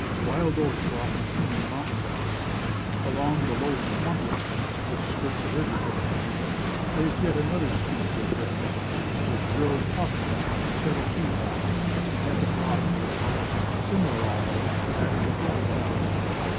Wild oats are often seen in the mountain valleys. Along the low swampy lands which skirt the rivers of the plains, there is yet another species of grass which grows oftentimes several feet high, and has a broad blade, similar almost to that of the flag plant.